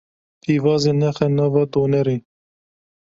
Pîvazê nexe nava donerê.